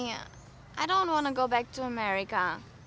aku nggak mau kembali ke amerika